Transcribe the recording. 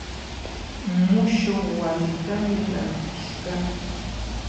Mushuq wasitami rantishqa.